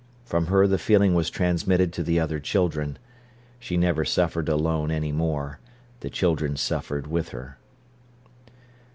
From her the feeling was transmitted to the other children. She never suffered alone any more: the children suffered with her.